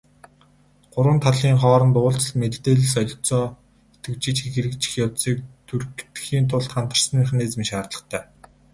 Гурван талын хооронд уулзалт, мэдээлэл солилцоо идэвхжиж, хэрэгжих явцыг түргэтгэхийн тулд хамтарсан механизм шаардлагатай.